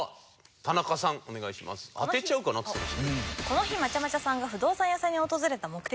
この日まちゃまちゃさんが不動産屋さんに訪れた目的とは？